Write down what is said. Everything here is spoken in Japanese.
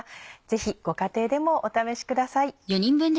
ぜひご家庭でもお試しください。